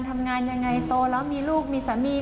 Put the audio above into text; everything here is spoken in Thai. ทำงานยังไงโตแล้วมีลูกมีสามี